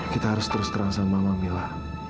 kita harus terus terang sama mama mila